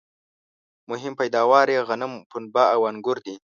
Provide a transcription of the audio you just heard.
مهم پیداوار یې غنم ، پنبه او انګور دي